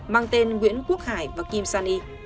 mang tên nguyễn quốc hải và kim sani